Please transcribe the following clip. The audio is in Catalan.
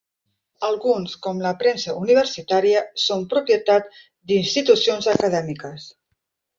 Alguns, com la premsa universitària, són propietat d'institucions acadèmiques.